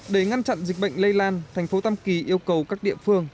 để ngăn chặn dịch bệnh lây lan thành phố tam kỳ yêu cầu các địa phương